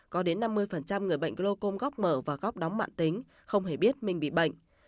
có đến năm mươi người bệnh glocom góc mở và góc đóng mạng tính không hề biết mình bị bệnh